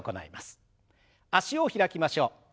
脚を開きましょう。